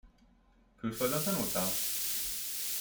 Külföldön tanultál?